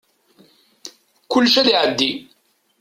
Kullec ad iɛeddi.